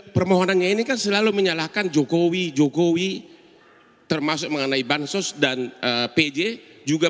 permohonannya ini kan selalu menyalahkan jokowi jokowi termasuk mengenai bansos dan pj juga